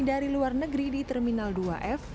dari luar negeri di terminal dua f